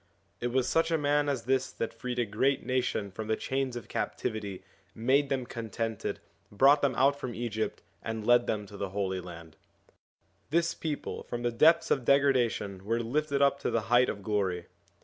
It was such a man as this that freed a great nation from the chains of captivity, made them contented, brought them out from Egypt, and led them to the Holy Land. This people from the depths of degradation were lifted up to the height of glory.